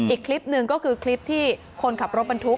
อีกคลิปหนึ่งก็คือคลิปที่คนขับรถบรรทุก